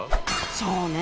そうね。